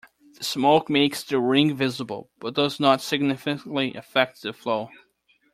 The smoke makes the ring visible, but does not significantly affect the flow.